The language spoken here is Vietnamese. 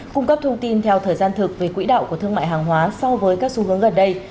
cung cấp thông tin theo thời gian thực về quỹ đạo của thương mại hàng hóa so với các xu hướng gần đây